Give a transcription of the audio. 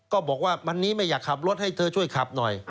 ก็บอกว่าวันนี้ไม่อยากขับรถให้เธอช่วยขับหน่อย